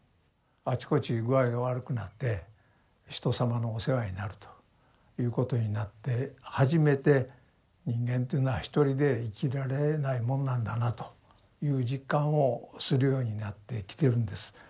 あちこち具合が悪くなって他人様のお世話になるということになって初めて人間というのは一人で生きられないもんなんだなという実感をするようになってきているんです。